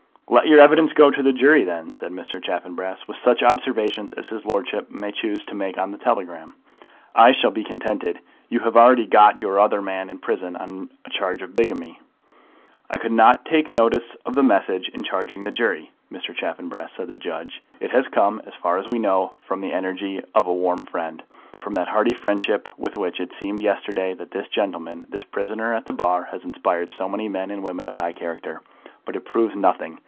"Let your evidence go to the jury, then," said Mr. Chaffanbrass, "with such observations as his lordship may choose to make on the telegram. I shall be contented. You have already got your other man in prison on a charge of bigamy." "I could not take notice of the message in charging the jury, Mr. Chaffanbrass," said the judge. "It has come, as far as we know, from the energy of a warm friend, from that hearty friendship with which it seemed yesterday that this gentleman, the prisoner at the bar, has inspired so many men and women of high character. But it proves nothing.